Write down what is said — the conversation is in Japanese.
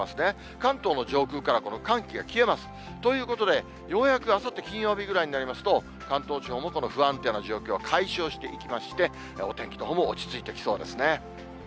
関東の上空から寒気が消えます。ということで、ようやくあさって金曜日ぐらいになりますと、関東地方もこの不安定な状況は解消していきまして、お天気のほうも落ち着いてきそうですね。